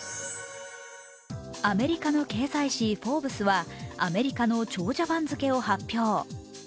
アメリカの経済誌「フォーブス」はアメリカの長者番付を発表。